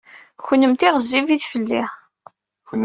Kennemti ɣezzifit fell-i.